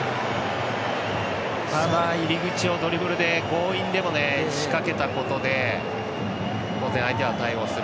入り口をドリブルで強引でもね仕掛けたことで、当然、相手は対応する。